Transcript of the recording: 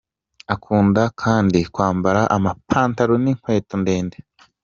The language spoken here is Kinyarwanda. Akunda kandi kwambara amapantaro n’inkweto ndende.